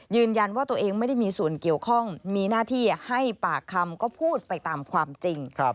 ยืนยันว่าตัวเองไม่ได้มีส่วนเกี่ยวข้องมีหน้าที่ให้ปากคำก็พูดไปตามความจริง